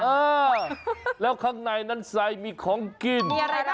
เออแล้วข้างในนั้นไซด์มีของกิน